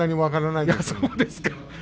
いや、そうですか？